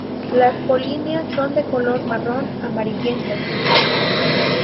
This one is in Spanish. Las polinias son de color marrón-amarillento.